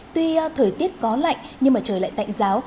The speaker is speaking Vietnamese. tuy thời tiết có lạnh nhưng mà trời lại tạnh giáo